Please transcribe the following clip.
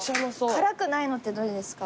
辛くないのってどれですか？